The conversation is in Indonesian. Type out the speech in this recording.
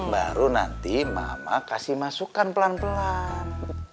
baru nanti mama kasih masukan pelan pelan